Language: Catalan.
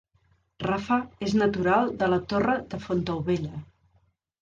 Rafa és natural de la Torre de Fontaubella